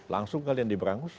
langsung kalian diberangus